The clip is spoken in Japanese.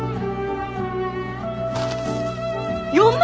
４万！？